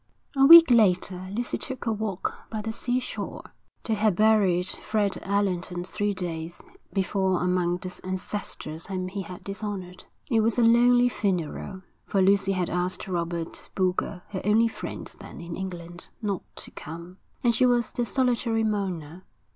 A week later Lucy took a walk by the seashore. They had buried Fred Allerton three days before among the ancestors whom he had dishonoured. It was a lonely funeral, for Lucy had asked Robert Boulger, her only friend then in England, not to come; and she was the solitary mourner.